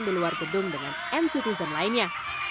dan juga bisa menonton di luar gedung dengan nctzen lainnya